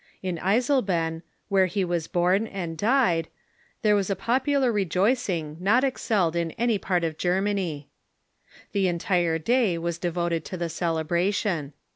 In Eisleben, where he was born and died, there was a popular re joicing not excelled in any part of Germany. The entire day was devoted to the celebration.